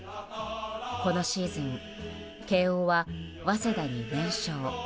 このシーズン慶応は早稲田に連勝。